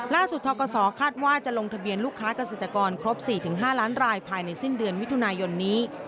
ทกศคาดว่าจะลงทะเบียนลูกค้าเกษตรกรครบ๔๕ล้านรายภายในสิ้นเดือนมิถุนายนนี้